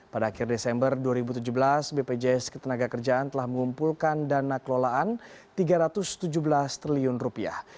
pada akhir desember dua ribu tujuh belas bpjs ketenaga kerjaan telah mengumpulkan dana kelolaan tiga ratus tujuh belas triliun rupiah